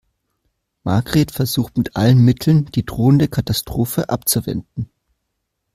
Margret versucht mit allen Mitteln, die drohende Katastrophe abzuwenden.